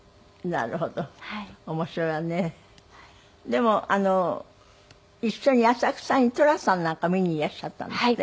でも一緒に浅草に寅さんなんか見にいらっしゃったんですって？